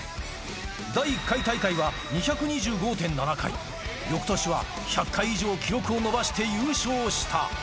第１回大会は２２５．７回、よくとしは１００回以上記録を伸ばして優勝した。